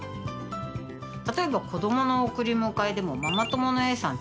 例えば、子どもの送り迎えでもママ友のＡさん